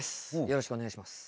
よろしくお願いします。